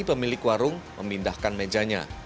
pemilik warung memindahkan mejanya